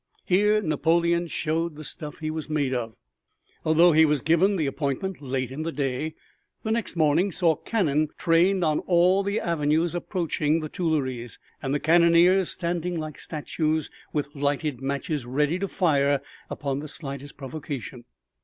Here Napoleon showed the stuff he was made of. Although he was given the appointment late in the day, the next morning saw cannon trained on all the avenues approaching the Tuileries, and the cannoneers standing like statues with lighted matches ready to fire upon the slightest provocation.